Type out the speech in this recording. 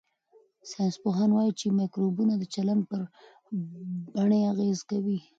ساینسپوهان وايي چې مایکروبونه د چلند پر بڼې اغېز کوي.